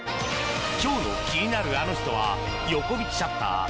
今日の気になるアノ人は横引シャッター